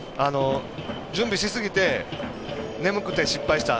準備しすぎて眠くて失敗した。